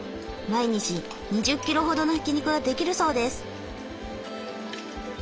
毎日２０キロほどのひき肉ができるそうです。